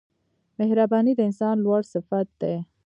• مهرباني د انسان لوړ صفت دی.